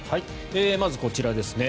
まず、こちらですね